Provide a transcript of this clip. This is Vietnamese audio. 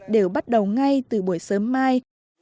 đều bắt đầu ngay từ buổi sớm mai